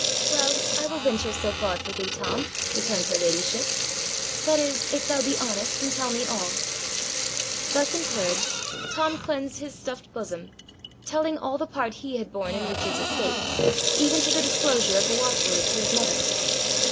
'Well, I will venture so far for thee, Tom,' returned her ladyship; 'that is, if thou be honest, and tell me all.' Thus encouraged, Tom cleansed his stuffed bosom, telling all the part he had borne in Richard's escape, even to the disclosure of the watchword to his mother.